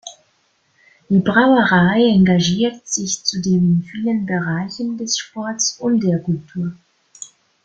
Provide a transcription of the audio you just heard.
Die Brauerei engagiert sich zudem in vielen Bereichen des Sports und der Kultur.